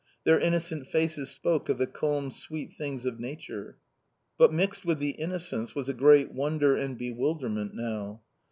Their innocent faces spoke of the calm sweet things of nature. But mixed with the innocence was a great wonder and bewilderment now.